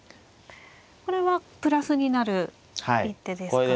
これはプラスになる一手ですか。